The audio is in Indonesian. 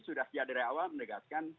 sudah dari awal mendekatkan